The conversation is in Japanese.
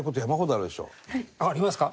ありますか？